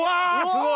すごい。